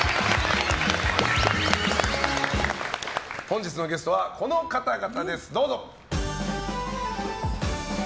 本日のゲストはこの方々です。